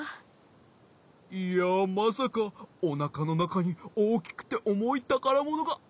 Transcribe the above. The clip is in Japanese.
いやまさかおなかのなかにおおきくておもいたからものがあったなんてね。